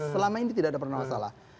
selama ini tidak pernah ada masalah